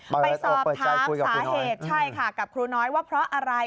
ไปสอบถามสาเหตุใช่ค่ะกับครูน้อยว่าเพราะอะไร